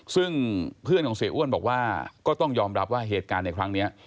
ซึ่งเพื่อนของเสียอ้วนบอกว่าก็ต้องยอมรับว่าเหตุการณ์ในครั้งนี้